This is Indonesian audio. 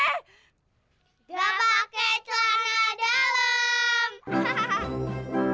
nggak pake celana dalam